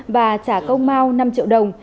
và trả công mao năm triệu đồng